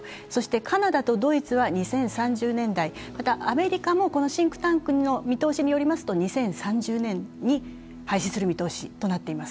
カナダとドイツは２０３０年代、アメリカもシンクタンクの見通しによりますと２０３０年に廃止する見通しとなっています。